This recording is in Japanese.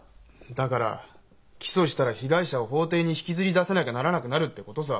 だから起訴したら被害者を法廷に引きずり出さなきゃならなくなるってことさ。